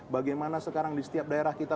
bagaimana sekarang di setiap daerah kita